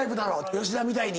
吉田みたいに。